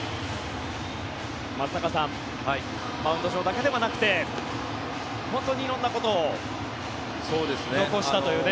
松坂さんマウンド上だけではなくて本当に色んなことを残したというね。